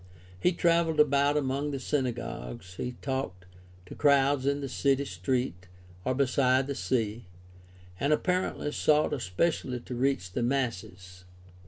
He traveled about among the synagogues, he talked to crowds in the city street or beside the sea, and apparently sought espe cially to reach the masses.